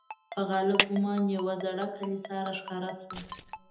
په غالب ګومان یوه زړه کلیسا را ښکاره شوه.